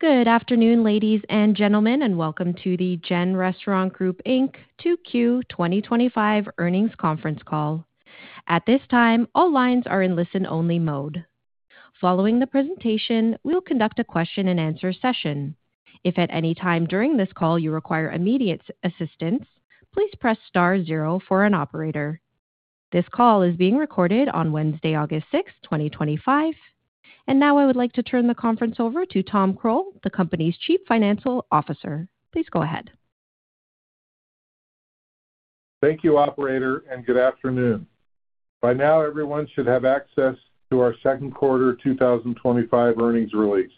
Good afternoon, ladies and gentlemen, and welcome to the GEN Restaurant Group, Inc. 2Q 2025 Earnings Conference Call. At this time, all lines are in listen-only mode. Following the presentation, we'll conduct a question-and-answer session. If at any time during this call you require immediate assistance, please press star zero for an operator. This call is being recorded on Wednesday, August 6, 2025. I would like to turn the conference over to Tom Croal, the company's Chief Financial Officer. Please go ahead. Thank you, operator, and good afternoon. By now, everyone should have access to our second quarter 2025 earnings release.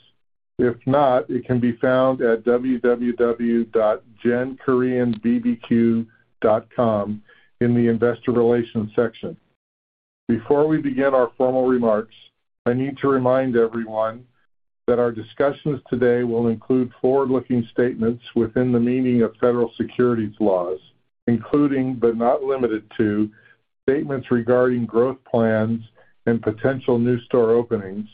If not, it can be found at www.genkoreanbbq.com in the investor relations section. Before we begin our formal remarks, I need to remind everyone that our discussions today will include forward-looking statements within the meaning of federal securities laws, including but not limited to statements regarding growth plans and potential new store openings,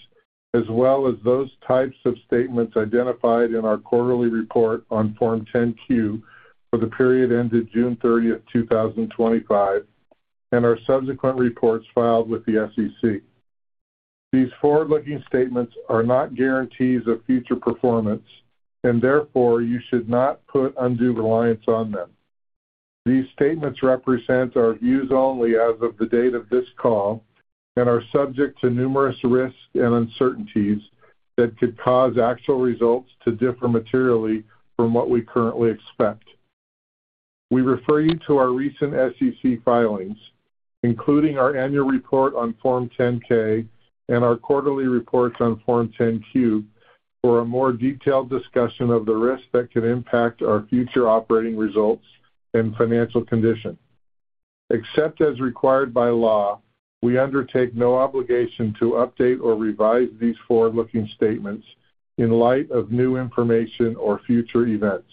as well as those types of statements identified in our quarterly report on Form 10-Q for the period ended June 30th, 2025, and our subsequent reports filed with the SEC. These forward-looking statements are not guarantees of future performance, and therefore you should not put undue reliance on them. These statements represent our views only as of the date of this call and are subject to numerous risks and uncertainties that could cause actual results to differ materially from what we currently expect. We refer you to our recent SEC filings, including our annual report on Form 10-K and our quarterly reports on Form 10-Q for a more detailed discussion of the risks that could impact our future operating results and financial condition. Except as required by law, we undertake no obligation to update or revise these forward-looking statements in light of new information or future events.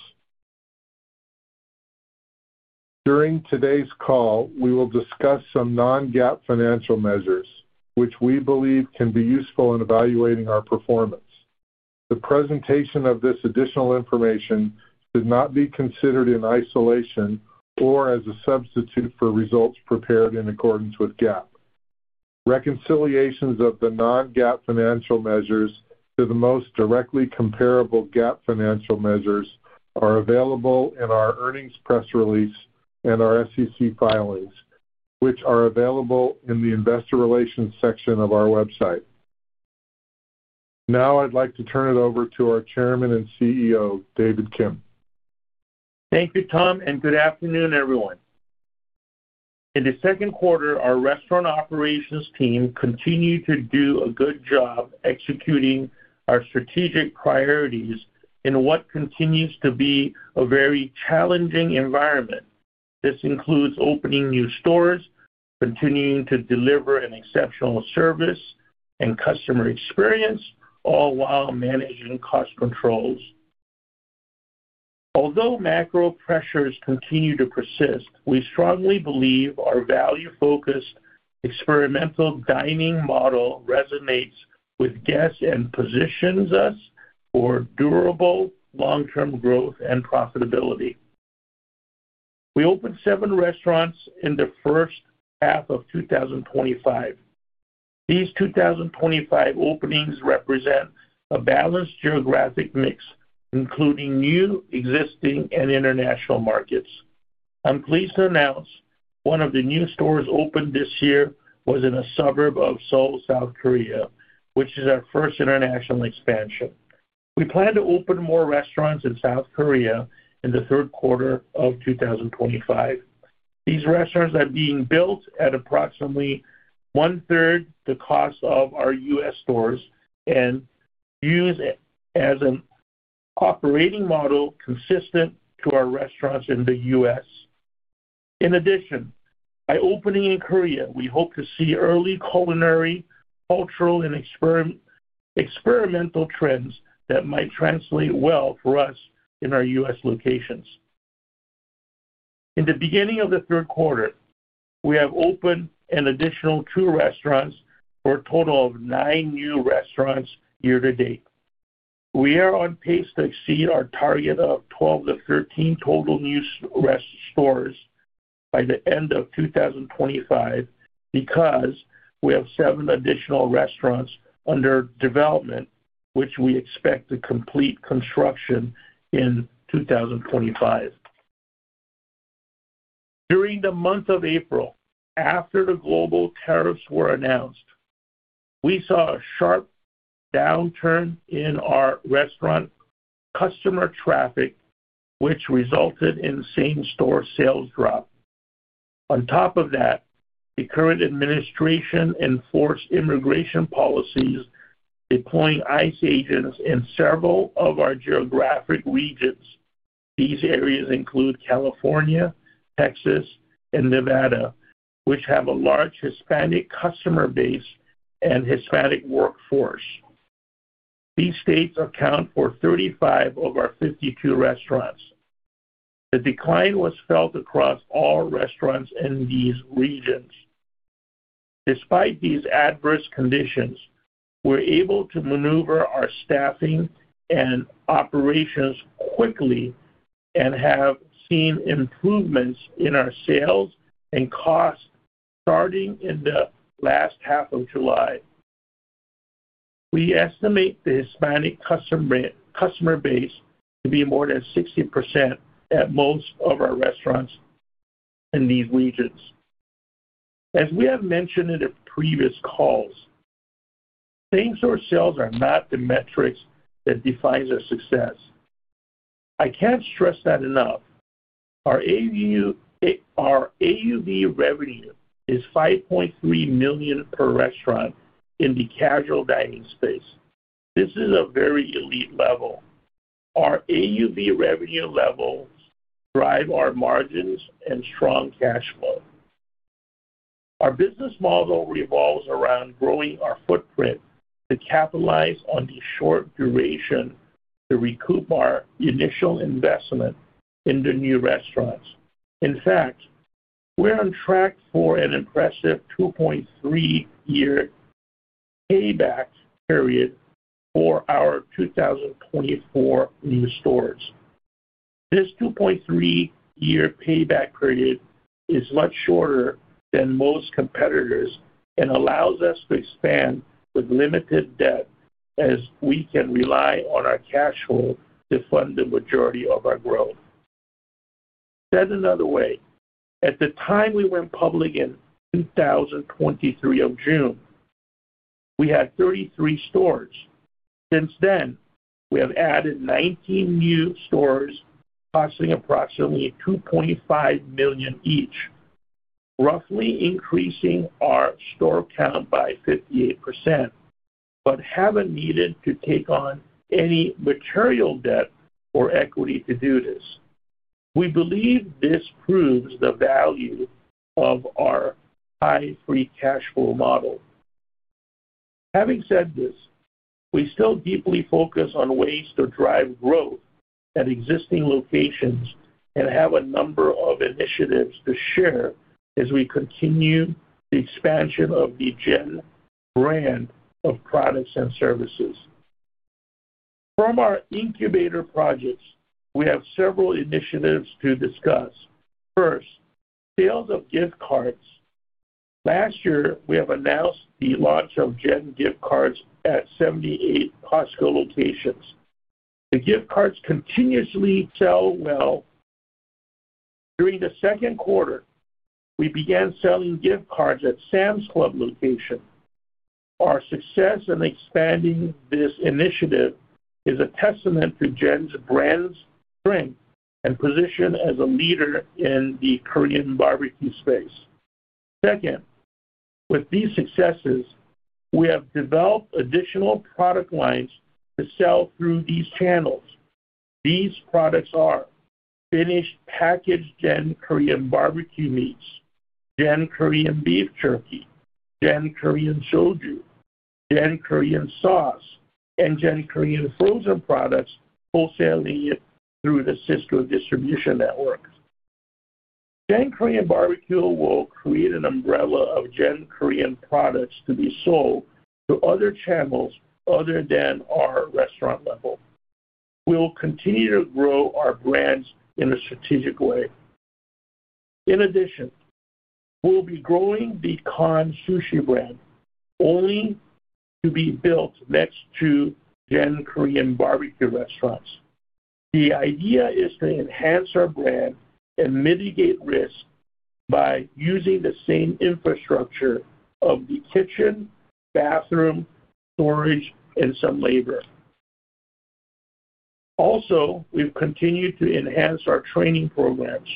During today's call, we will discuss some non-GAAP financial measures, which we believe can be useful in evaluating our performance. The presentation of this additional information should not be considered in isolation or as a substitute for results prepared in accordance with GAAP. Reconciliations of the non-GAAP financial measures to the most directly comparable GAAP financial measures are available in our earnings press release and our SEC filings, which are available in the investor relations section of our website. Now I'd like to turn it over to our Chairman and CEO, David Kim. Thank you, Tom, and good afternoon, everyone. In the second quarter, our restaurant operations team continued to do a good job executing our strategic priorities in what continues to be a very challenging environment. This includes opening new stores, continuing to deliver an exceptional service and customer experience, all while managing cost controls. Although macro pressures continue to persist, we strongly believe our value-focused experiential dining model resonates with guests and positions us for durable long-term growth and profitability. We opened seven restaurants in the first half of 2025. These 2025 openings represent a balanced geographic mix, including new, existing, and international markets. I'm pleased to announce one of the new stores opened this year was in a suburb of Seoul, South Korea, which is our first international expansion. We plan to open more restaurants in South Korea in the third quarter of 2025. These restaurants are being built at approximately one-third the cost of our U.S. stores and use an operating model consistent with our restaurants in the U.S. In addition, by opening in Korea, we hope to see early culinary, cultural, and experiential trends that might translate well for us in our U.S. locations. In the beginning of the third quarter, we have opened an additional two restaurants for a total of nine new restaurants year to date. We are on pace to exceed our target of 12-13 total new restaurants by the end of 2025 because we have seven additional restaurants under development, which we expect to complete construction in 2025. During the month of April, after the global tariffs were announced, we saw a sharp downturn in our restaurant customer traffic, which resulted in a same-store sales drop. On top of that, the current administration enforced immigration policies, deploying ICE agents in several of our geographic regions. These areas include California, Texas, and Nevada, which have a large Hispanic customer base and Hispanic workforce. These states account for 35 of our 52 restaurants. The decline was felt across all restaurants in these regions. Despite these adverse conditions, we're able to maneuver our staffing and operations quickly and have seen improvements in our sales and costs starting in the last half of July. We estimate the Hispanic customer base to be more than 60% at most of our restaurants in these regions. As we have mentioned in the previous calls, same-store sales are not the metrics that define the success. I can't stress that enough. Our AUV revenue is $5.3 million per restaurant in the casual dining space. This is a very elite level. Our AUV revenue levels drive our margins and strong cash flow. Our business model revolves around growing our footprint to capitalize on the short duration to recoup our initial investment in the new restaurants. In fact, we're on track for an impressive 2.3-year payback period for our 2024 new stores. This 2.3-year payback period is much shorter than most competitors and allows us to expand with limited debt, as we can rely on our cash flow to fund the majority of our growth. Said another way, at the time we went public in June 2023, we had 33 stores. Since then, we have added 19 new stores, costing approximately $2.5 million each, roughly increasing our store count by 58%, but haven't needed to take on any material debt or equity to do this. We believe this proves the value of our high free cash flow model. Having said this, we still deeply focus on ways to drive growth at existing locations and have a number of initiatives to share as we continue the expansion of the GEN brand of products and services. From our incubator projects, we have several initiatives to discuss. First, sales of gift cards. Last year, we have announced the launch of GEN gift cards at 78 Costco locations. The gift cards continuously sell well. During the second quarter, we began selling gift cards at Sam's Club location. Our success in expanding this initiative is a testament to GEN's brand strength and position as a leader in the Korean barbecue space. Second, with these successes, we have developed additional product lines to sell through these channels. These products are finished packaged GEN Korean barbeque meats, GEN Korean beef jerky, GEN Korean soju, GEN Korean sauce, and GEN Korean frozen products wholesaling it through the Sysco distribution network. GEN Korean barbeque will create an umbrella of GEN Korean products to be sold to other channels other than our restaurant level. We'll continue to grow our brands in a strategic way. In addition, we'll be growing the KAN sushi brand only to be built next to GEN Korean barbeque restaurants. The idea is to enhance our brand and mitigate risk by using the same infrastructure of the kitchen, bathroom, storage, and some labor. Also, we've continued to enhance our training programs.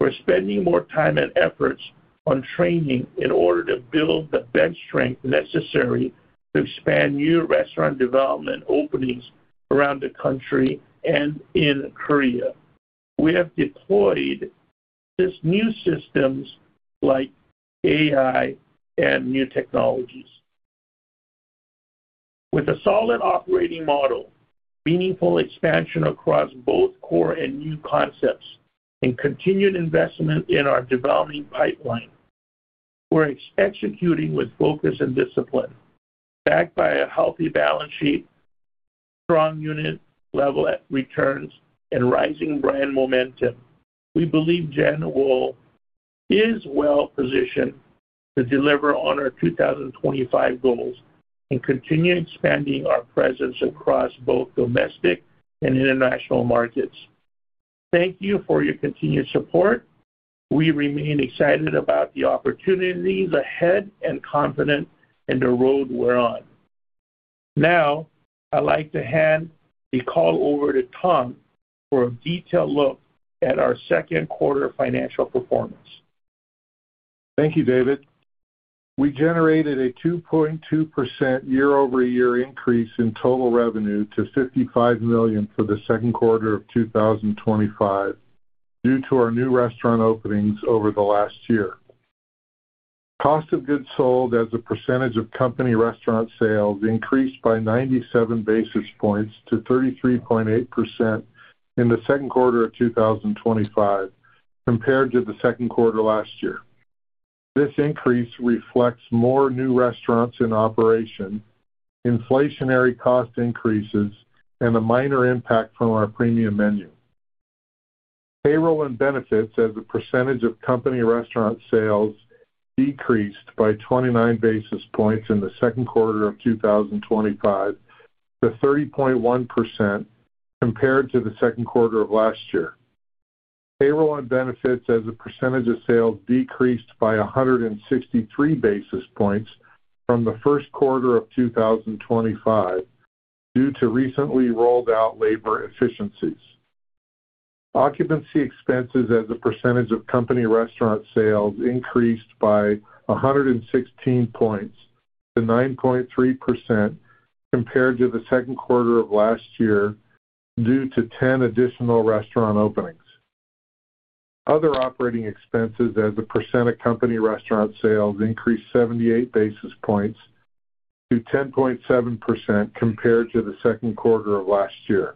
We're spending more time and efforts on training in order to build the bench strength necessary to expand new restaurant development openings around the country and in Korea. We have deployed new systems like AI and new technologies. With a solid operating model, meaningful expansion across both core and new concepts, and continued investment in our development pipeline, we're executing with focus and discipline. Backed by a healthy balance sheet, strong unit level returns, and rising brand momentum, we believe GEN is well positioned to deliver on our 2025 goals and continue expanding our presence across both domestic and international markets. Thank you for your continued support. We remain excited about the opportunities ahead and confident in the road we're on. Now, I'd like to hand the call over to Tom for a detailed look at our second quarter financial performance. Thank you, David. We generated a 2.2% year-over-year increase in total revenue to $55 million for the second quarter of 2025 due to our new restaurant openings over the last year. Cost of goods sold as a percentage of company restaurant sales increased by 97 basis points to 33.8% in the second quarter of 2025 compared to the second quarter last year. This increase reflects more new restaurants in operation, inflationary cost increases, and a minor impact from our premium menu. Payroll and benefits as a percentage of company restaurant sales decreased by 29 basis points in the second quarter of 2025 to 30.1% compared to the second quarter of last year. Payroll and benefits as a percentage of sales decreased by 163 basis points from the first quarter of 2025 due to recently rolled out labor efficiencies. Occupancy expenses as a percentage of company restaurant sales increased by 116 basis points to 9.3% compared to the second quarter of last year due to 10 additional restaurant openings. Other operating expenses as a percent of company restaurant sales increased 78 basis points to 10.7% compared to the second quarter of last year.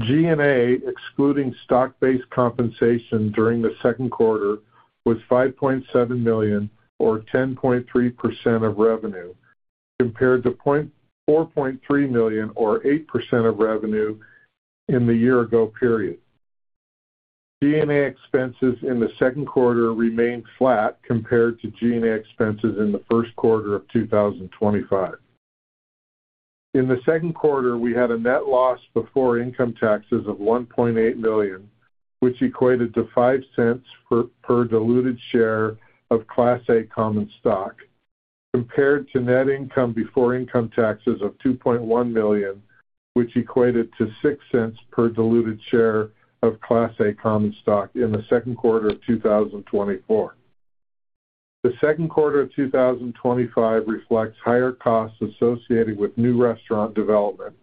G&A, excluding stock-based compensation during the second quarter, was $5.7 million or 10.3% of revenue compared to $4.3 million or 8% of revenue in the year-ago period. G&A expenses in the second quarter remained flat compared to G&A expenses in the first quarter of 2025. In the second quarter, we had a net loss before income taxes of $1.8 million, which equated to $0.05 per diluted share of Class A common stock, compared to net income before income taxes of $2.1 million, which equated to $0.06 per diluted share of Class A common stock in the second quarter of 2024. The second quarter of 2025 reflects higher costs associated with new restaurant development,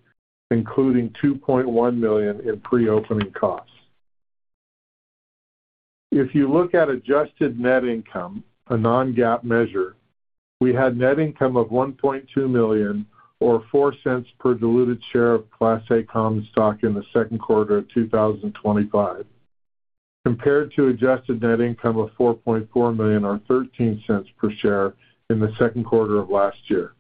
including $2.1 million in pre-opening costs. If you look at adjusted net income, a non-GAAP measure, we had net income of $1.2 million or $0.04 per diluted share of Class A common stock in the second quarter of 2025, compared to adjusted net income of $4.4 million or $0.13 per share in the second quarter of last year.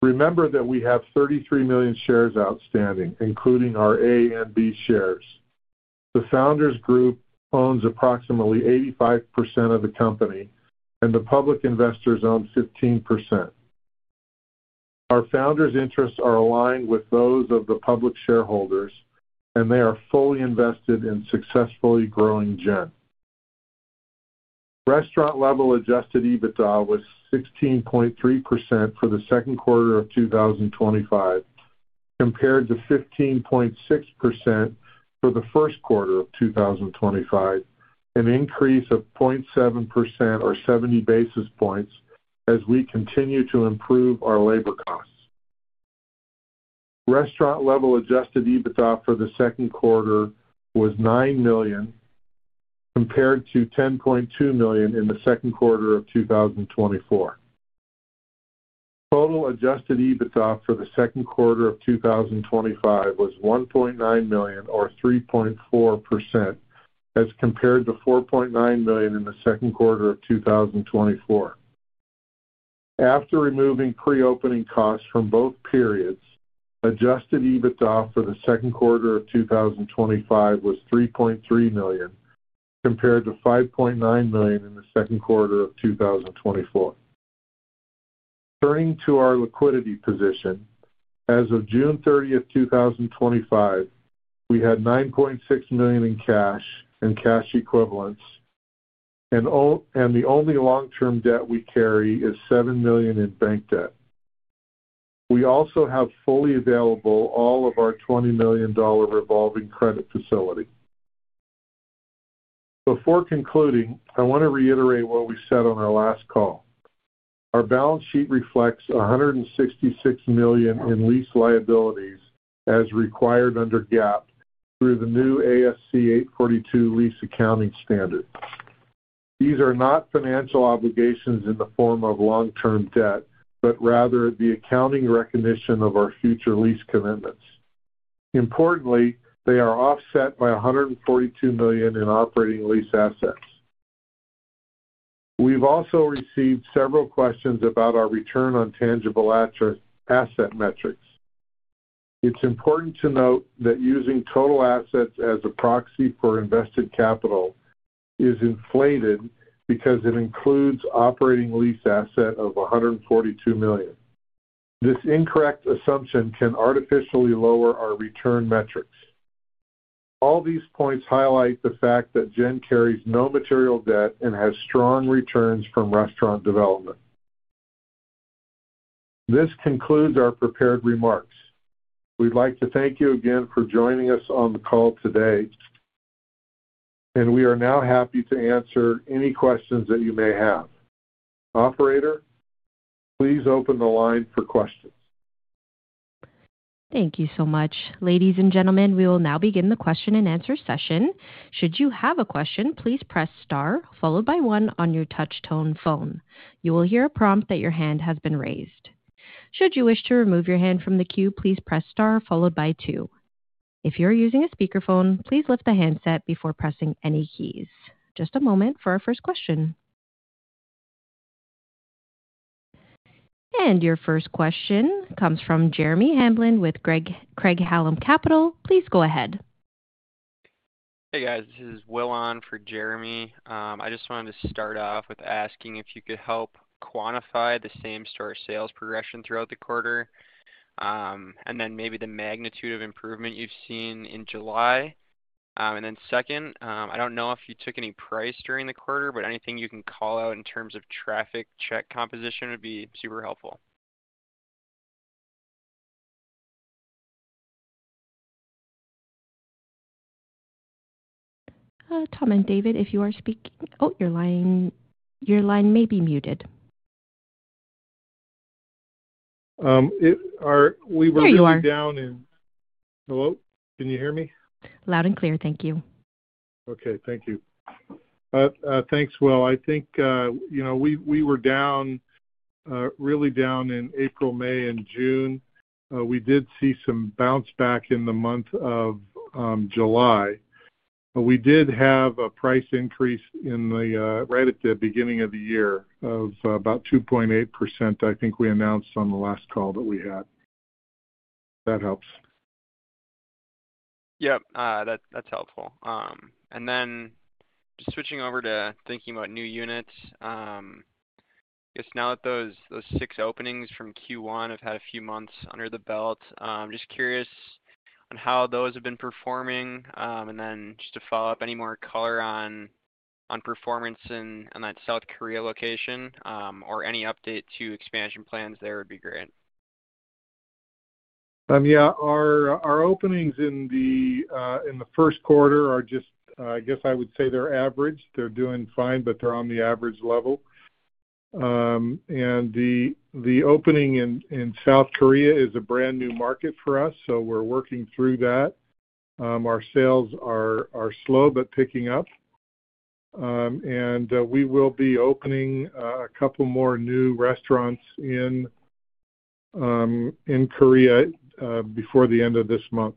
Remember that we have 33 million shares outstanding, including our A and B shares. The founders' group owns approximately 85% of the company, and the public investors own 15%. Our founders' interests are aligned with those of the public shareholders, and they are fully invested in successfully growing GEN. Restaurant level adjusted EBITDA was 16.3% for the second quarter of 2025, compared to 15.6% for the first quarter of 2025, an increase of 0.7% or 70 basis points as we continue to improve our labor costs. Restaurant level adjusted EBITDA for the second quarter was $9 million, compared to $10.2 million in the second quarter of 2024. Total adjusted EBITDA for the second quarter of 2025 was $1.9 million or 3.4% as compared to $4.9 million in the second quarter of 2024. After removing pre-opening costs from both periods, adjusted EBITDA for the second quarter of 2025 was $3.3 million, compared to $5.9 million in the second quarter of 2024. Turning to our liquidity position, as of June 30th, 2025, we had $9.6 million in cash and cash equivalents, and the only long-term debt we carry is $7 million in bank debt. We also have fully available all of our $20 million revolving credit facility. Before concluding, I want to reiterate what we said on our last call. Our balance sheet reflects $166 million in lease liabilities as required under GAAP through the new ASC 842 lease accounting standard. These are not financial obligations in the form of long-term debt, but rather the accounting recognition of our future lease commitments. Importantly, they are offset by $142 million in operating lease assets. We've also received several questions about our return on tangible asset metrics. It's important to note that using total assets as a proxy for invested capital is inflated because it includes operating lease assets of $142 million. This incorrect assumption can artificially lower our return metrics. All these points highlight the fact that GEN carries no material debt and has strong returns from restaurant development. This concludes our prepared remarks. We'd like to thank you again for joining us on the call today, and we are now happy to answer any questions that you may have. Operator, please open the line for questions. Thank you so much. Ladies and gentlemen, we will now begin the question-and-answer session. Should you have a question, please press star followed by one on your touch-tone phone. You will hear a prompt that your hand has been raised. Should you wish to remove your hand from the queue, please press star followed by two. If you're using a speakerphone, please lift the handset before pressing any keys. Just a moment for our first question. Your first question comes from Jeremy Hamblin with Craig-Hallum Capital. Please go ahead. Hey guys, this is Will on for Jeremy. I just wanted to start off with asking if you could help quantify the same-store sales progression throughout the quarter, and maybe the magnitude of improvement you've seen in July. Second, I don't know if you took any price during the quarter, but anything you can call out in terms of traffic check composition would be super helpful. Tom and David, if you are speaking, your line may be muted. We were looking down in. There you are. Hello. Can you hear me? Loud and clear, thank you. Okay, thank you. Thanks, Will. I think, you know, we were down, really down in April, May, and June. We did see some bounce back in the month of July. We did have a price increase right at the beginning of the year of about 2.8%, I think we announced on the last call that we had. That helps. Yeah, that's helpful. Just switching over to thinking about new units, I guess now that those six openings from Q1 have had a few months under the belt, I'm just curious on how those have been performing. Just to follow up, any more color on performance in that South Korea location or any update to expansion plans there would be great. Our openings in the first quarter are just, I guess I would say they're average. They're doing fine, but they're on the average level. The opening in South Korea is a brand new market for us, so we're working through that. Our sales are slow but picking up. We will be opening a couple more new restaurants in Korea before the end of this month.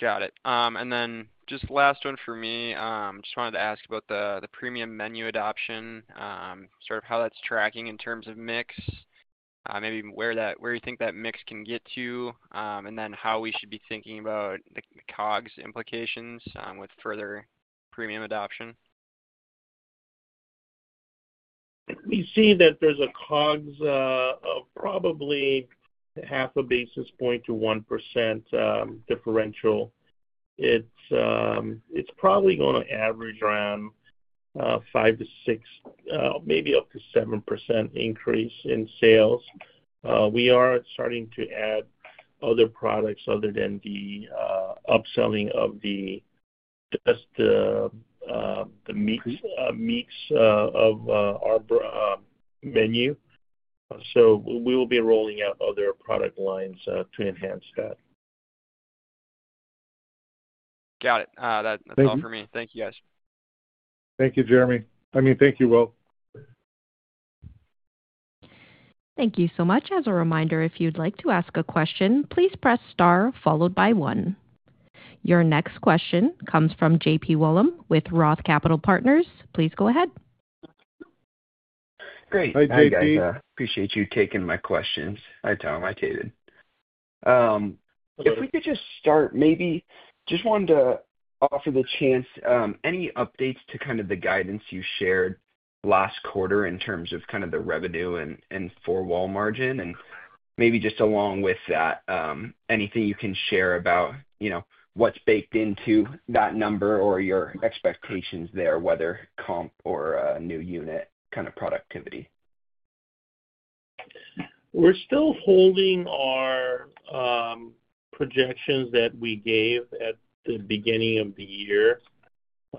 Got it. Just the last one for me, I just wanted to ask about the premium menu adoption, sort of how that's tracking in terms of mix, maybe where you think that mix can get to, and then how we should be thinking about the COGS implications with further premium adoption. We see that there's a COGS of probably 0.5 basis point to 1% differential. It's probably going to average around 5%-6%, maybe up to 7% increase in sales. We are starting to add other products other than the upselling of the meats of our menu. We will be rolling out other product lines to enhance that. Got it. That's all for me. Thank you, guys. Thank you, Jeremy. Thank you, Will. Thank you so much. As a reminder, if you'd like to ask a question, please press star followed by one. Your next question comes from J.P. Wollam with Roth Capital Partners. Please go ahead. Great. Hi, JP. I appreciate you taking my questions. Hi, Tom. Hi, David. If we could just start, maybe just wanted to offer the chance, any updates to the guidance you shared last quarter in terms of the revenue and four-wall margin? Maybe just along with that, anything you can share about what's baked into that number or your expectations there, whether comp or a new unit kind of productivity? We're still holding our projections that we gave at the beginning of the year.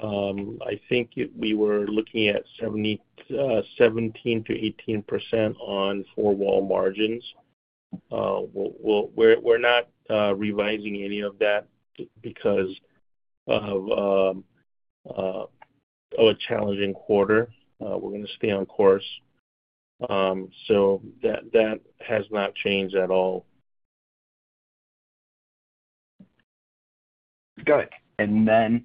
I think we were looking at 17%-18% on four-wall margins. We're not revising any of that because of a challenging quarter. We're going to stay on course. That has not changed at all. Got it. In the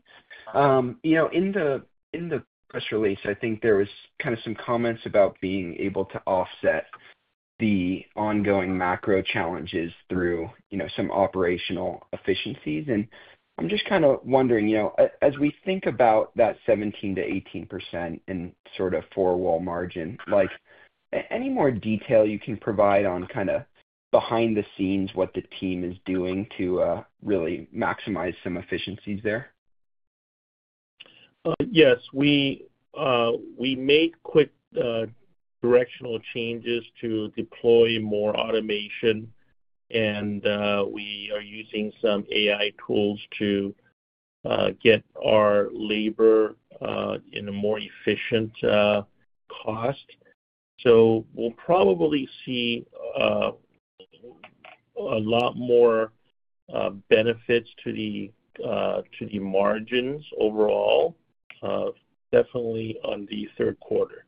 press release, I think there were kind of some comments about being able to offset the ongoing macro challenges through some operational efficiencies. I'm just kind of wondering, as we think about that 17%-18% in sort of four-wall margin, any more detail you can provide on kind of behind the scenes what the team is doing to really maximize some efficiencies there? Yes, we made quick directional changes to deploy more automation, and we are using some AI tools to get our labor in a more efficient cost. We will probably see a lot more benefits to the margins overall, definitely on the third quarter.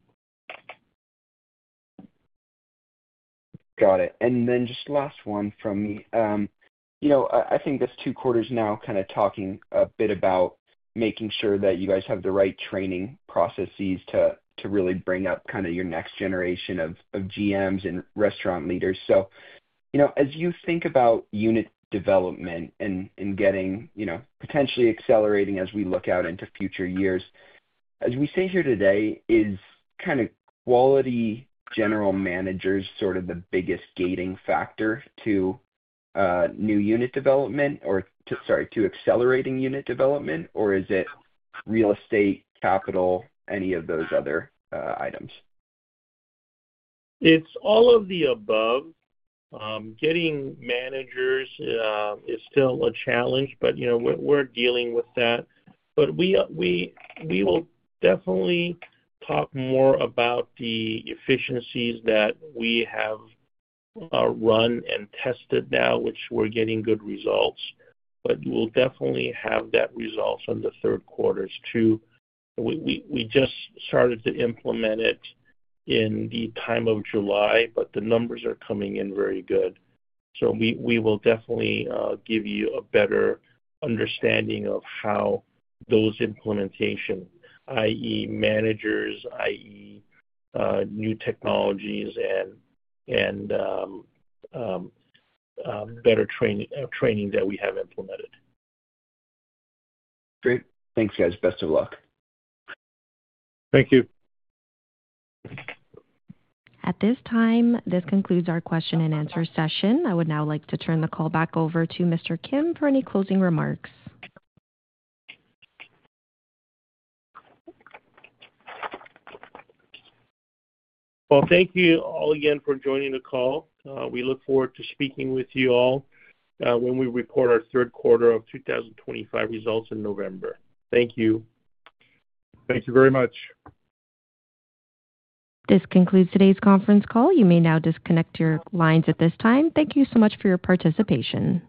Got it. Just the last one from me. I think this is two quarters now talking a bit about making sure that you guys have the right training processes to really bring up your next generation of GMs and restaurant leaders. As you think about unit development and getting, potentially accelerating as we look out into future years, as we sit here today, is quality general managers the biggest gating factor to new unit development or to accelerating unit development, or is it real estate, capital, any of those other items? It's all of the above. Getting managers is still a challenge, but we're dealing with that. We will definitely talk more about the efficiencies that we have run and tested now, which we're getting good results. We'll definitely have that results in the third quarters too. We just started to implement it in the time of July, but the numbers are coming in very good. We will definitely give you a better understanding of how those implementations, i.e., managers, i.e., new technologies, and better training that we have implemented. Great. Thanks, guys. Best of luck. Thank you. At this time, this concludes our question-and-answer session. I would now like to turn the call back over to Mr. Kim for any closing remarks. Thank you all again for joining the call. We look forward to speaking with you all when we report our third quarter 2025 results in November. Thank you. Thank you very much. This concludes today's conference call. You may now disconnect your lines at this time. Thank you so much for your participation.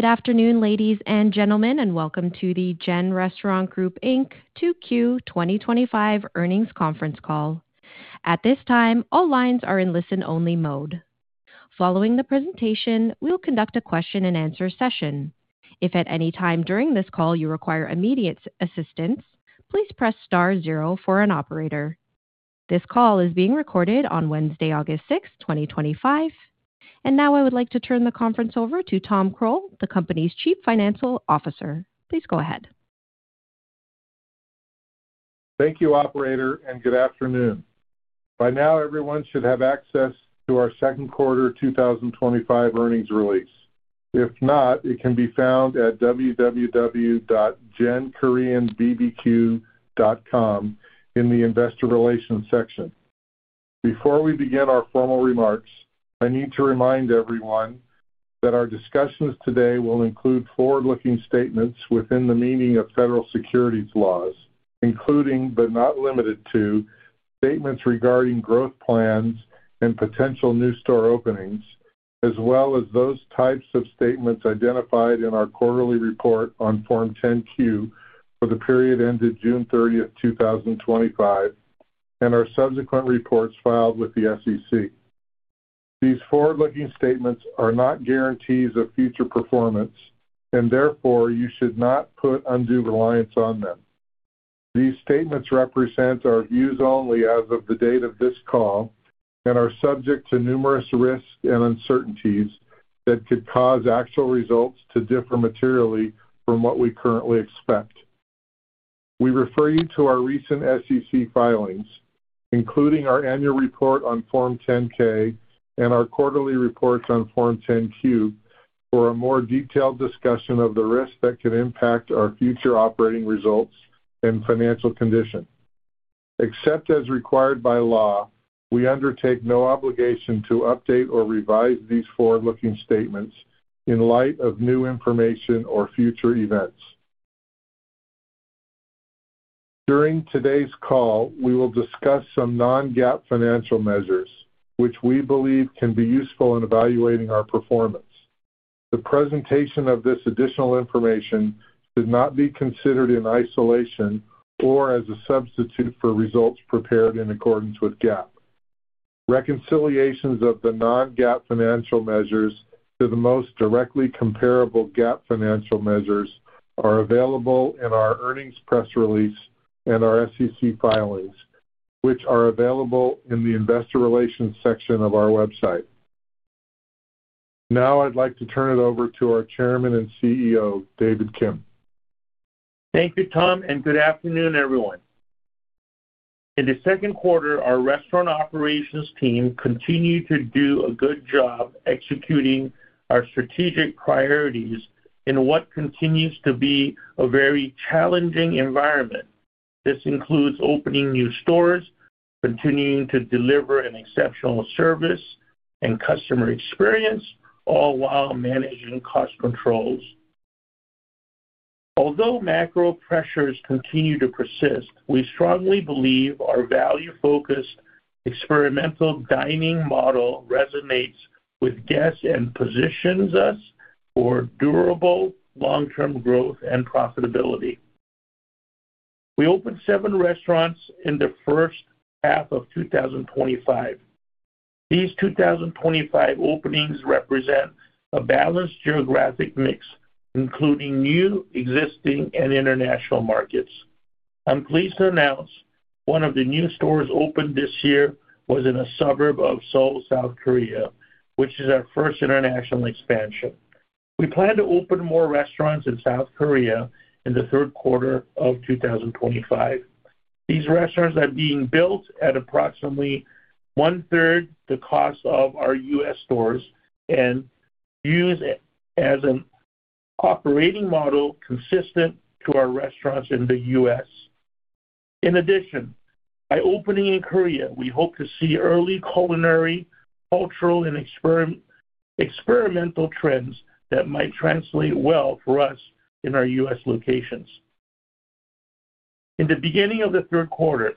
Good afternoon, ladies and gentlemen, and welcome to the GEN Restaurant Group, Inc. 2Q 2025 Earnings Conference Call. At this time, all lines are in listen-only mode. Following the presentation, we'll conduct a question-and-answer session. If at any time during this call you require immediate assistance, please press star zero for an operator. This call is being recorded on Wednesday, August 6, 2025. Now I would like to turn the conference over to Tom Croal, the company's Chief Financial Officer. Please go ahead. Thank you, operator, and good afternoon. By now, everyone should have access to our second quarter 2025 earnings release. If not, it can be found at www.genkoreanbbq.com in the investor relations section. Before we begin our formal remarks, I need to remind everyone that our discussions today will include forward-looking statements within the meaning of federal securities laws, including but not limited to statements regarding growth plans and potential new store openings, as well as those types of statements identified in our quarterly report on Form 10-Q for the period ended June 30th, 2025, and our subsequent reports filed with the SEC. These forward-looking statements are not guarantees of future performance, and therefore you should not put undue reliance on them. These statements represent our views only as of the date of this call and are subject to numerous risks and uncertainties that could cause actual results to differ materially from what we currently expect. We refer you to our recent SEC filings, including our annual report on Form 10-K and our quarterly reports on Form 10-Q for a more detailed discussion of the risk that could impact our future operating results and financial condition. Except as required by law, we undertake no obligation to update or revise these forward-looking statements in light of new information or future events. During today's call, we will discuss some non-GAAP financial measures, which we believe can be useful in evaluating our performance. The presentation of this additional information should not be considered in isolation or as a substitute for results prepared in accordance with GAAP. Reconciliations of the non-GAAP financial measures to the most directly comparable GAAP financial measures are available in our earnings press release and our SEC filings, which are available in the investor relations section of our website. Now I'd like to turn it over to our Chairman and CEO, David Kim. Thank you, Tom, and good afternoon, everyone. In the second quarter, our restaurant operations team continued to do a good job executing our strategic priorities in what continues to be a very challenging environment. This includes opening new stores, continuing to deliver an exceptional service and customer experience, all while managing cost controls. Although macro pressures continue to persist, we strongly believe our value-focused experimental dining model resonates with guests and positions us for durable long-term growth and profitability. We opened seven restaurants in the first half of 2025. These 2025 openings represent a balanced geographic mix, including new, existing, and international markets. I'm pleased to announce one of the new stores opened this year was in a suburb of Seoul, South Korea, which is our first international expansion. We plan to open more restaurants in South Korea in the third quarter of 2025. These restaurants are being built at approximately one-third the cost of our U.S. stores and use it as an operating model consistent to our restaurants in the U.S. In addition, by opening in Korea, we hope to see early culinary, cultural, and experimental trends that might translate well for us in our U.S. locations. In the beginning of the third quarter,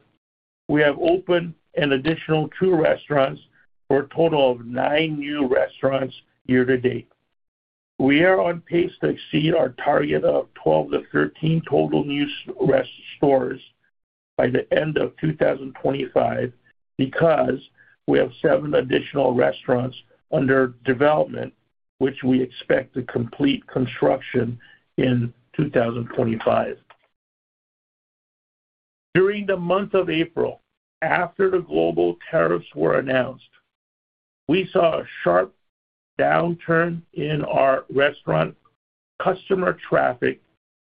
we have opened an additional two restaurants for a total of nine new restaurants year-to-date. We are on pace to exceed our target of 12-13 total new rest stores by the end of 2025 because we have seven additional restaurants under development, which we expect to complete construction in 2025. During the month of April, after the global tariffs were announced, we saw a sharp downturn in our restaurant customer traffic,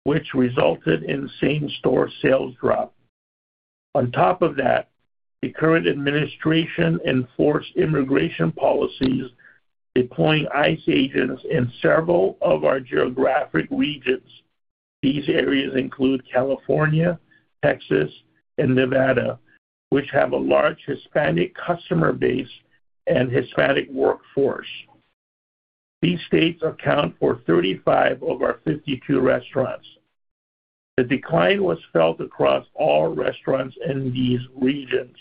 which resulted in the same-store sales drop. On top of that, the current administration enforced immigration policies, deploying ICE agents in several of our geographic regions. These areas include California, Texas, and Nevada, which have a large Hispanic customer base and Hispanic workforce. These states account for 35 of our 52 restaurants. The decline was felt across all restaurants in these regions.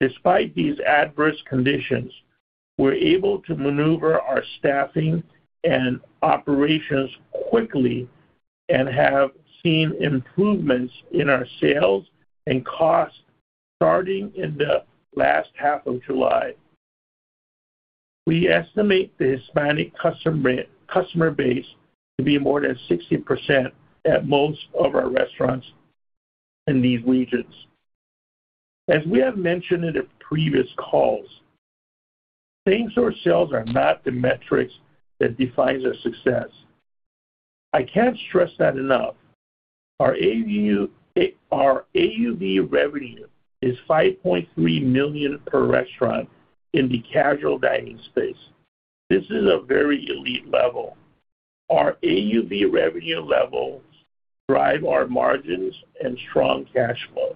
Despite these adverse conditions, we're able to maneuver our staffing and operations quickly and have seen improvements in our sales and costs starting in the last half of July. We estimate the Hispanic customer base to be more than 60% at most of our restaurants in these regions. As we have mentioned in the previous calls, same-store sales are not the metrics that define our success. I can't stress that enough. Our AUV revenue is $5.3 million per restaurant in the casual dining space. This is a very elite level. Our AUV revenue levels drive our margins and strong cash flow.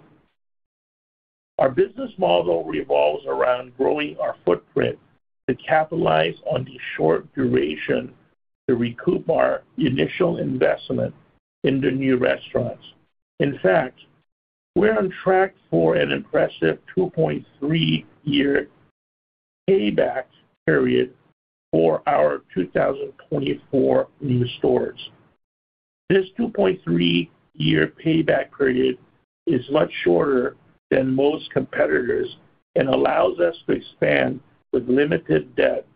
Our business model revolves around growing our footprint to capitalize on the short duration to recoup our initial investment in the new restaurants. In fact, we're on track for an impressive 2.3-year payback period for our 2024 new stores. This 2.3-year payback period is much shorter than most competitors and allows us to expand with limited debt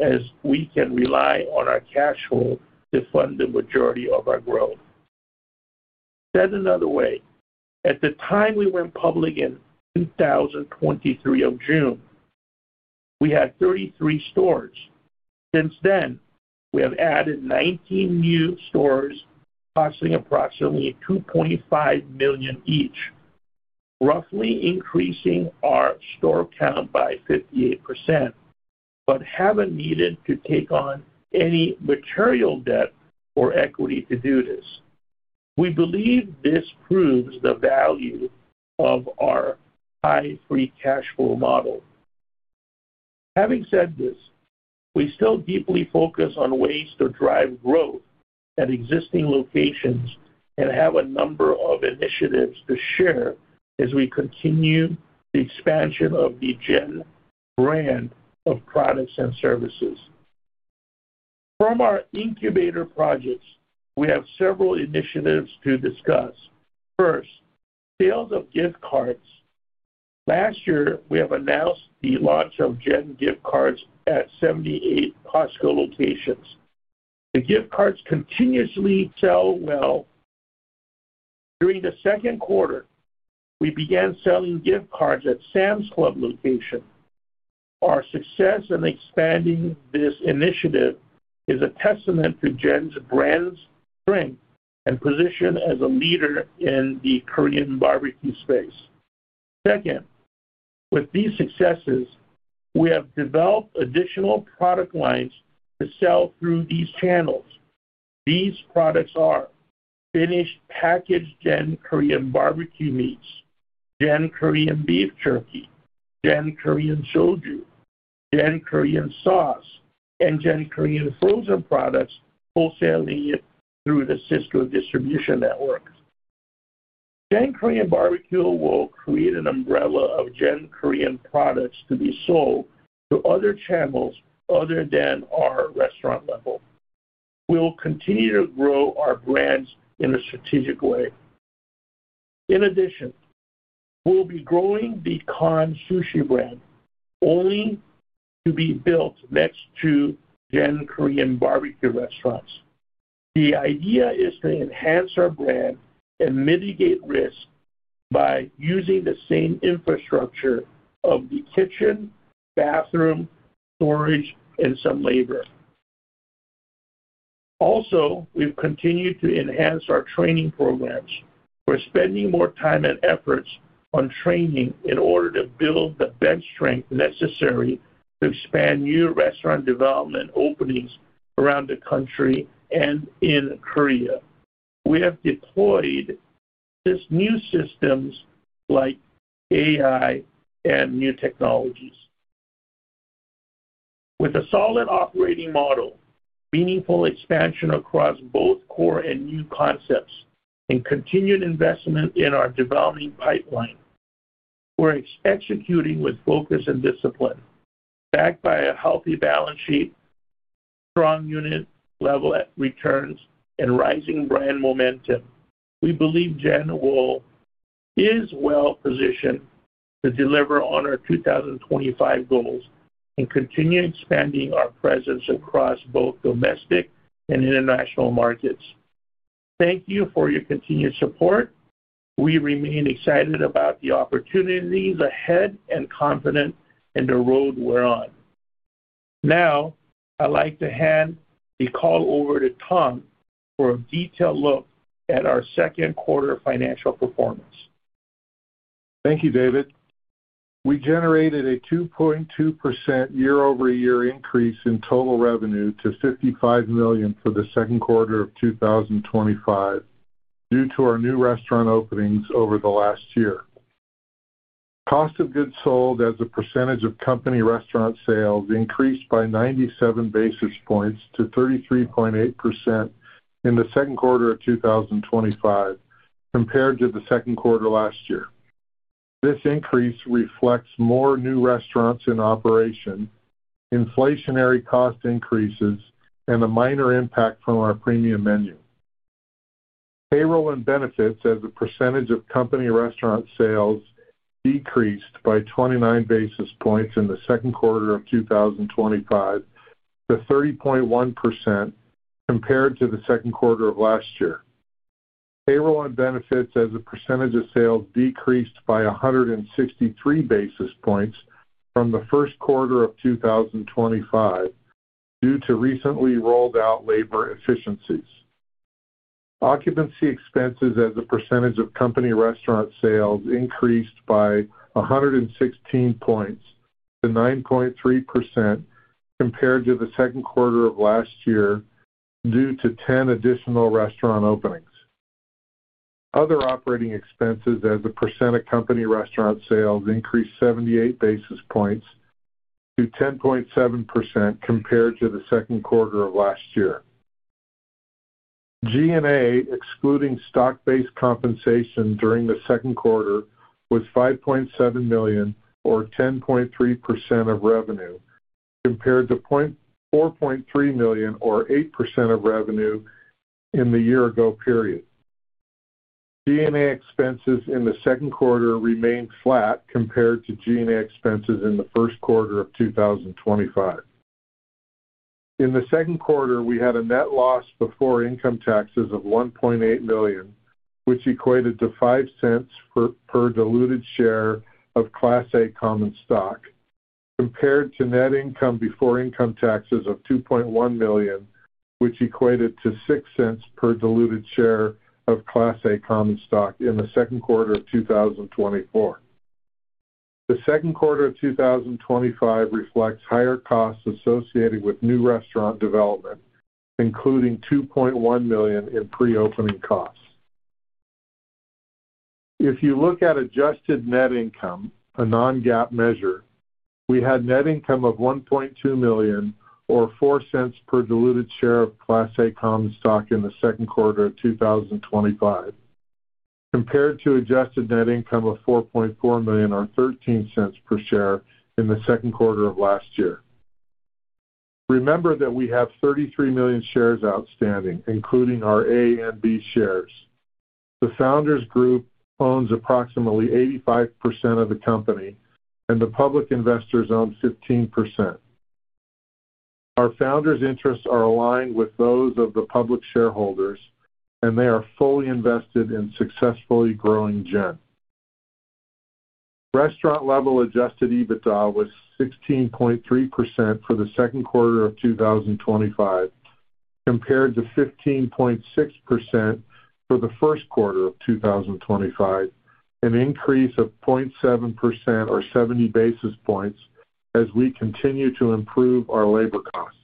as we can rely on our cash flow to fund the majority of our growth. Said another way, at the time we went public in June 2023, we had 33 stores. Since then, we have added 19 new stores, costing approximately $2.5 million each, roughly increasing our store count by 58%, but haven't needed to take on any material debt or equity to do this. We believe this proves the value of our high free cash flow model. Having said this, we still deeply focus on ways to drive growth at existing locations and have a number of initiatives to share as we continue the expansion of the GEN brand of products and services. From our incubator projects, we have several initiatives to discuss. First, sales of gift cards. Last year, we announced the launch of GEN gift cards at 78 Costco locations. The gift cards continuously sell well. During the second quarter, we began selling gift cards at Sam's Club locations. Our success in expanding this initiative is a testament to GEN's brand's strength and position as a leader in the Korean barbecue space. Second, with these successes, we have developed additional product lines to sell through these channels. These products are finished packaged GEN Korean barbeque meats, GEN Korean beef jerky, GEN Korean soju, GEN Korean sauce, and GEN Korean frozen products wholesaling it through the Sysco distribution network. GEN Korean barbeque will create an umbrella of GEN Korean products to be sold through other channels other than our restaurant level. We'll continue to grow our brands in a strategic way. In addition, we'll be growing the KAN sushi brand only to be built next to GEN Korean barbeque restaurants. The idea is to enhance our brand and mitigate risk by using the same infrastructure of the kitchen, bathroom, storage, and some labor. Also, we've continued to enhance our training programs. We're spending more time and efforts on training in order to build the bench strength necessary to expand new restaurant development openings around the country and in Korea. We have deployed these new systems like AI and new technologies. With a solid operating model, meaningful expansion across both core and new concepts, and continued investment in our development pipeline, we're executing with focus and discipline. Backed by a healthy balance sheet, strong unit level returns, and rising brand momentum, we believe GEN is well positioned to deliver on our 2025 goals and continue expanding our presence across both domestic and international markets. Thank you for your continued support. We remain excited about the opportunities ahead and confident in the road we're on. Now, I'd like to hand the call over to Tom for a detailed look at our second quarter financial performance. Thank you, David. We generated a 2.2% year-over-year increase in total revenue to $55 million for the second quarter of 2025 due to our new restaurant openings over the last year. Cost of goods sold as a percentage of company restaurant sales increased by 97 basis points to 33.8% in the second quarter of 2025 compared to the second quarter last year. This increase reflects more new restaurants in operation, inflationary cost increases, and a minor impact from our premium menu. Payroll and benefits as a percentage of company restaurant sales decreased by 29 basis points in the second quarter of 2025 to 30.1% compared to the second quarter of last year. Payroll and benefits as a percentage of sales decreased by 163 basis points from the first quarter of 2025 due to recently rolled-out labor efficiencies. Occupancy expenses as a percentage of company restaurant sales increased by 116 basis points to 9.3% compared to the second quarter of last year due to 10 additional restaurant openings. Other operating expenses as a percentage of company restaurant sales increased 78 basis points to 10.7% compared to the second quarter of last year. G&A, excluding stock-based compensation during the second quarter, was $5.7 million or 10.3% of revenue compared to $4.3 million or 8% of revenue in the year-ago period. G&A expenses in the second quarter remained flat compared to G&A expenses in the first quarter of 2025. In the second quarter, we had a net loss before income taxes of $1.8 million, which equated to $0.05 per diluted share of Class A common stock, compared to net income before income taxes of $2.1 million, which equated to $0.06 per diluted share of Class A common stock in the second quarter of 2024. The second quarter of 2025 reflects higher costs associated with new restaurant development, including $2.1 million in pre-opening costs. If you look at adjusted net income, a non-GAAP measure, we had net income of $1.2 million or $0.04 per diluted share of Class A common stock in the second quarter of 2025, compared to adjusted net income of $4.4 million or $0.13 per share in the second quarter of last year. Remember that we have 33 million shares outstanding, including our A and B shares. The founders' group owns approximately 85% of the company, and the public investors own 15%. Our founders' interests are aligned with those of the public shareholders, and they are fully invested in successfully growing GEN. Restaurant level adjusted EBITDA was 16.3% for the second quarter of 2025, compared to 15.6% for the first quarter of 2025, an increase of 0.7% or 70 basis points as we continue to improve our labor costs.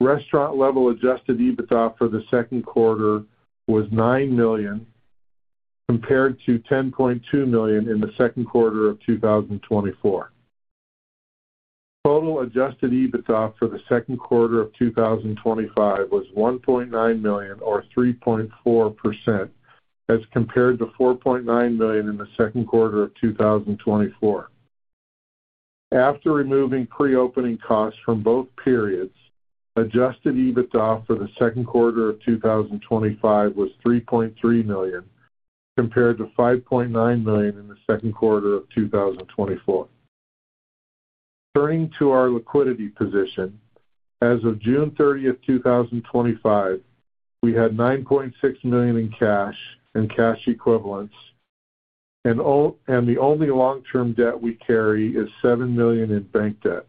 Restaurant level adjusted EBITDA for the second quarter was $9 million, compared to $10.2 million in the second quarter of 2024. Total adjusted EBITDA for the second quarter of 2025 was $1.9 million or 3.4% as compared to $4.9 million in the second quarter of 2024. After removing pre-opening costs from both periods, adjusted EBITDA for the second quarter of 2025 was $3.3 million, compared to $5.9 million in the second quarter of 2024. Turning to our liquidity position, as of June 30th, 2025, we had $9.6 million in cash and cash equivalents, and the only long-term debt we carry is $7 million in bank debt.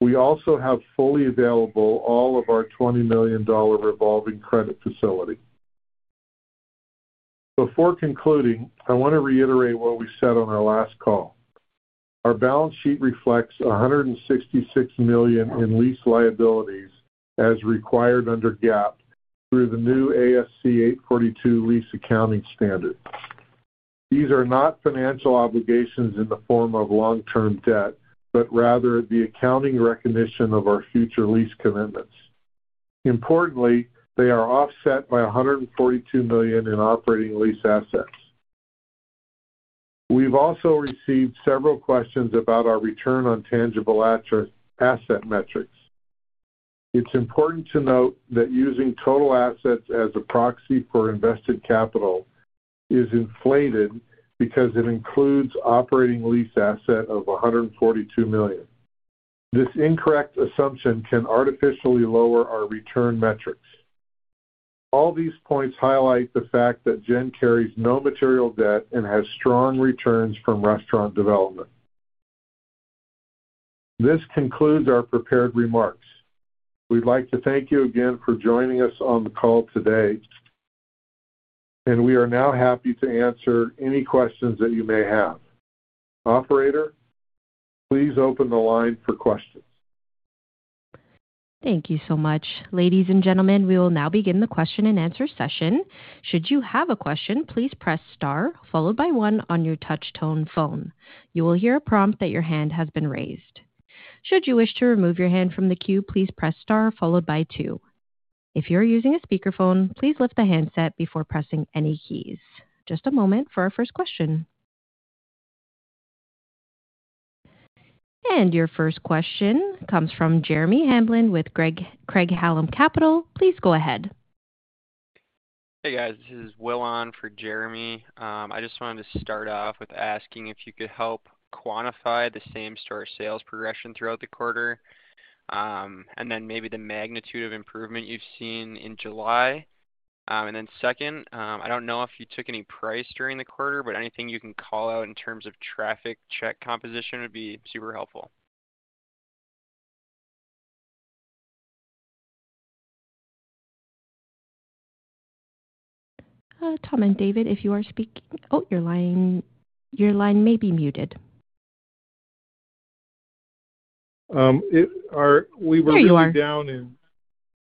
We also have fully available all of our $20 million revolving credit facility. Before concluding, I want to reiterate what we said on our last call. Our balance sheet reflects $166 million in lease liabilities as required under GAAP through the new ASC 842 lease accounting standards. These are not financial obligations in the form of long-term debt, but rather the accounting recognition of our future lease commitments. Importantly, they are offset by $142 million in operating lease assets. We've also received several questions about our return on tangible asset metrics. It's important to note that using total assets as a proxy for invested capital is inflated because it includes operating lease assets of $142 million. This incorrect assumption can artificially lower our return metrics. All these points highlight the fact that GEN carries no material debt and has strong returns from restaurant development. This concludes our prepared remarks. We'd like to thank you again for joining us on the call today, and we are now happy to answer any questions that you may have. Operator, please open the line for questions. Thank you so much. Ladies and gentlemen, we will now begin the question-and-answer session. Should you have a question, please press star followed by one on your touch-tone phone. You will hear a prompt that your hand has been raised. Should you wish to remove your hand from the queue, please press star followed by two. If you are using a speakerphone, please lift the handset before pressing any keys. Just a moment for our first question. Your first question comes from Jeremy Hamblin with Craig-Hallum Capital. Please go ahead. Hey guys, this is Will on for Jeremy. I just wanted to start off with asking if you could help quantify the same-store sales progression throughout the quarter, and maybe the magnitude of improvement you've seen in July. Second, I don't know if you took any price during the quarter, but anything you can call out in terms of traffic check composition would be super helpful. Tom and David, if you are speaking, your line may be muted. We were down. Here you are.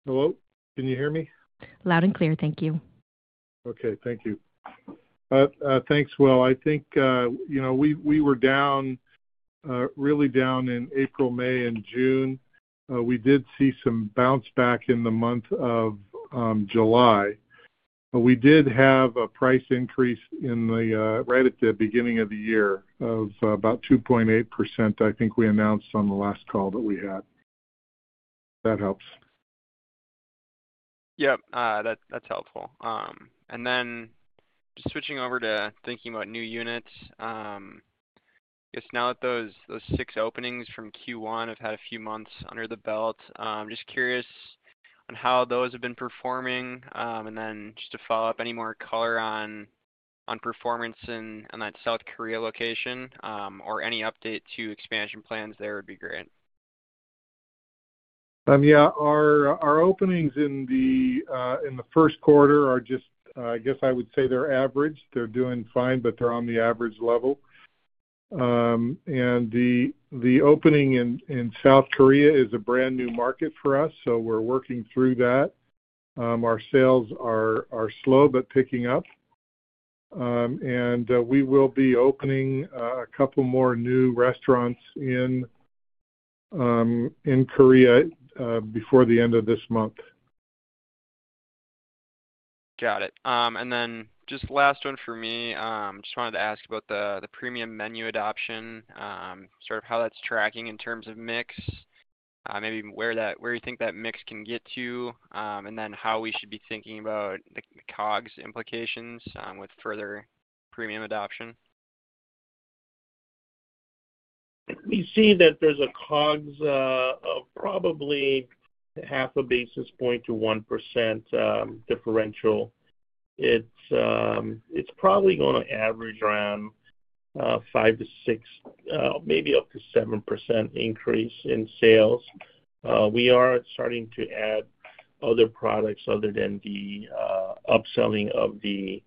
Hello, can you hear me? Loud and clear, thank you. Okay, thank you. Thanks, Will. I think, you know, we were down, really down in April, May, and June. We did see some bounce back in the month of July. We did have a price increase right at the beginning of the year of about 2.8%, I think we announced on the last call that we had. That helps. Yeah, that's helpful. Just switching over to thinking about new units, I guess now that those six openings from Q1 have had a few months under the belt, I'm just curious on how those have been performing. Any more color on performance in that South Korea location or any update to expansion plans there would be great. Our openings in the first quarter are just, I guess I would say they're average. They're doing fine, but they're on the average level. The opening in South Korea is a brand new market for us, so we're working through that. Our sales are slow but picking up. We will be opening a couple more new restaurants in Korea before the end of this month. Got it. Just the last one for me, I just wanted to ask about the premium menu adoption, sort of how that's tracking in terms of mix, maybe where you think that mix can get to, and then how we should be thinking about the COGS implications with further premium adoption. We see that there's a COGS of probably 0.5 basis point to 1% differential. It's probably going to average around 5%-6%, maybe up to 7% increase in sales. We are starting to add other products other than the upselling of the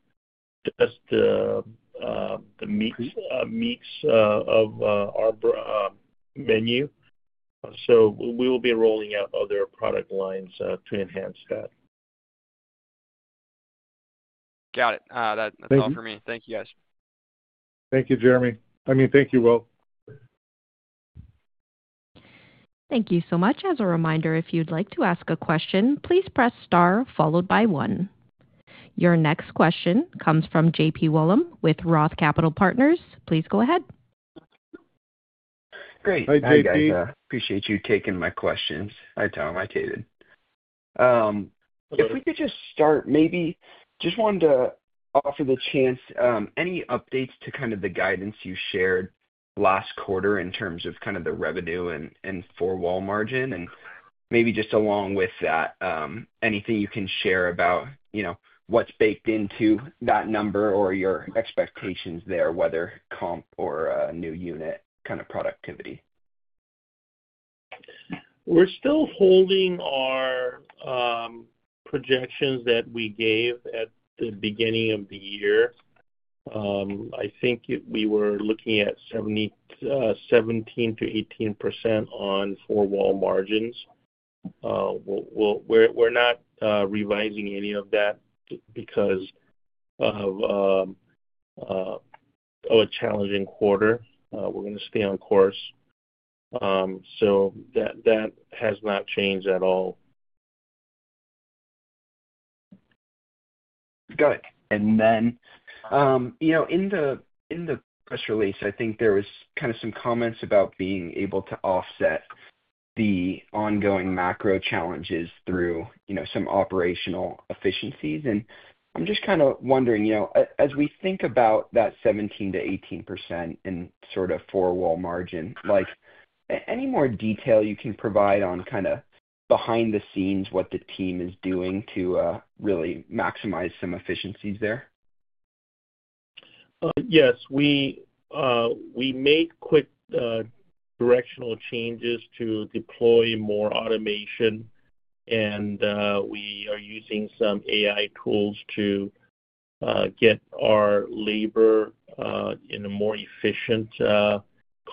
meats of our menu. We will be rolling out other product lines to enhance that. Got it. That's all for me. Thank you, guys. Thank you, Jeremy. Thank you, Will. Thank you so much. As a reminder, if you'd like to ask a question, please press star followed by one. Your next question comes from J.P. Wollam with Roth Capital Partners. Please go ahead. Great. Hi, JP. Appreciate you taking my questions. Hi, Tom. Hi, David. If we could just start, maybe just wanted to offer the chance, any updates to kind of the guidance you shared last quarter in terms of kind of the revenue and four-wall margin? Maybe just along with that, anything you can share about, you know, what's baked into that number or your expectations there, whether comp or a new unit kind of productivity? We're still holding our projections that we gave at the beginning of the year. I think we were looking at 17%-18% on four-wall margins. We're not revising any of that because of a challenging quarter. We're going to stay on course. That has not changed at all. Got it. In the press release, I think there were kind of some comments about being able to offset the ongoing macro challenges through some operational efficiencies. I'm just kind of wondering, as we think about that 17%-18% in sort of four-wall margin, any more detail you can provide on kind of behind the scenes what the team is doing to really maximize some efficiencies there? Yes, we make quick directional changes to deploy more automation, and we are using some AI tools to get our labor in a more efficient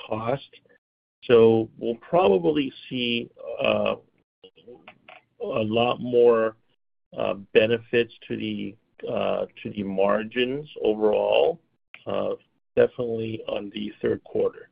cost. We will probably see a lot more benefits to the margins overall, definitely on the third quarter.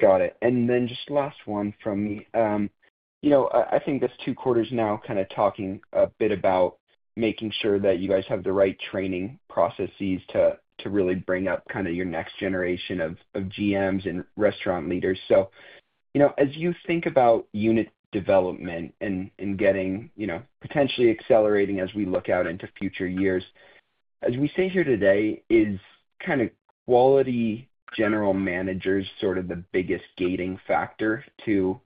Got it. Just the last one from me. I think this is two quarters now talking a bit about making sure that you guys have the right training processes to really bring up your next generation of GMs and restaurant leaders. As you think about unit development and getting, potentially accelerating as we look out into future years, as we sit here today, is quality general managers the biggest gating factor to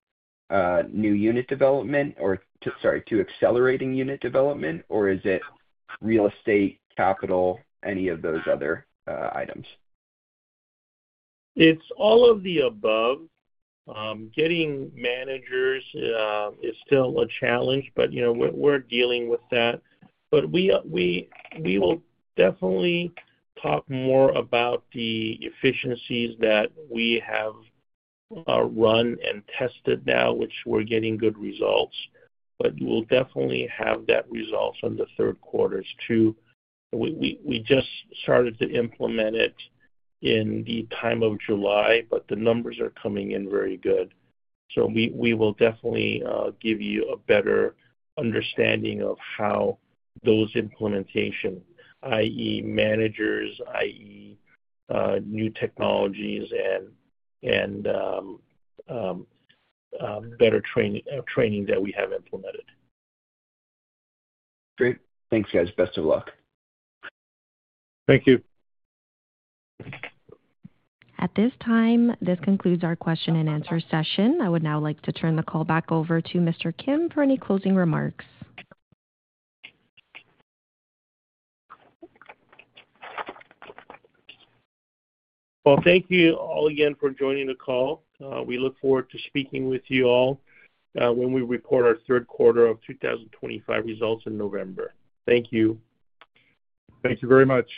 new unit development or, sorry, to accelerating unit development, or is it real estate, capital, any of those other items? It's all of the above. Getting managers is still a challenge, but we're dealing with that. We will definitely talk more about the efficiencies that we have run and tested now, which we're getting good results. We'll definitely have that results on the third quarters too. We just started to implement it in the time of July, but the numbers are coming in very good. We will definitely give you a better understanding of how those implementations, i.e., managers, i.e., new technologies, and better training that we have implemented. Great. Thanks, guys. Best of luck. Thank you. At this time, this concludes our question-and-answer session. I would now like to turn the call back over to Mr. Kim for any closing remarks. Thank you all again for joining the call. We look forward to speaking with you all. When we report our third quarter 2025 results in November. Thank you. Thank you very much.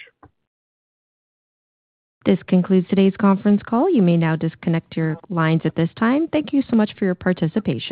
This concludes today's conference call. You may now disconnect your lines at this time. Thank you so much for your participation.